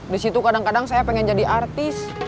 disitu kadang kadang saya pengen jadi artis